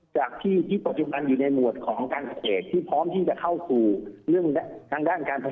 จากที่ปัจจุบันอยู่ในหมวดของการเกษตรที่พร้อมที่จะเข้าสู่เรื่องทางด้านการผลิต